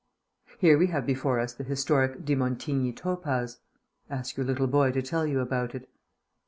Here we have before us the historic de Montigny topaz. Ask your little boy to tell you about it.